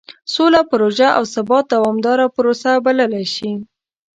سوله پروژه او ثبات دومداره پروسه بللی شي.